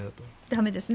駄目ですね。